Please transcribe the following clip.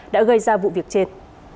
đã gây ra vụ việc trên